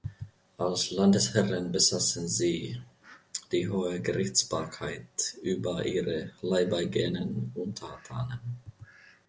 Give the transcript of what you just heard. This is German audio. Als Landesherren besaßen sie die hohe Gerichtsbarkeit über ihre leibeigenen Untertanen.